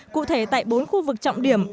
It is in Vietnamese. cụ thể tại bốn khu vực trọng điểm